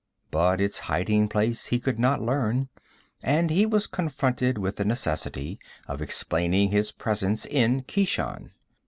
But its hiding place he could not learn, and he was confronted with the necessity of explaining his presence in Keshan.